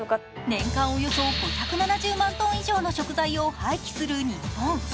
年間およそ４５０万トン以上もの食材を廃棄する日本。